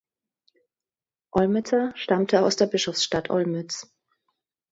Olmützer stammte aus der Bischofsstadt Olmütz.